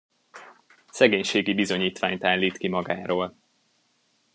Szegénységi bizonyítványt állít ki magáról.